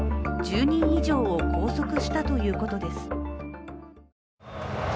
１０人以上を拘束したということです。